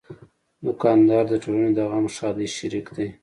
دوکاندار د ټولنې د غم ښادۍ شریک دی.